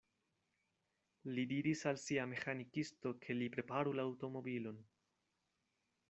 Li diris al sia meĥanikisto, ke li preparu la aŭtomobilon.